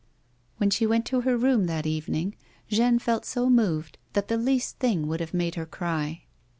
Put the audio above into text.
When she went to her room that evening Jeanne felt so moved that the least thing would have made her cry.